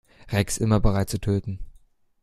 Rex, immer bereit zu töten.